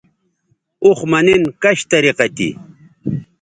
اوخ مہ نِن کش طریقہ تھی